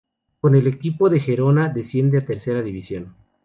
Con el equipo de Gerona desciende a Tercera División.